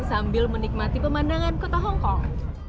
sambil menikmati pemandangan kota hongkong